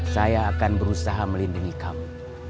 saya akan berusaha melindungi kamu